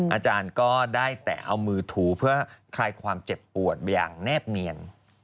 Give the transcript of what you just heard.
อาจารย์ก็ได้แต่เอามือถูเพื่อคลายความเจ็บปวดอย่างแนบเนียน